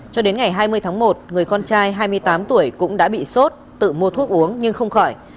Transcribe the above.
cho đến ngày hai mươi tháng một người con trai hai mươi tám tuổi cũng đã bị sốt tự mua thuốc uống nhưng không khỏi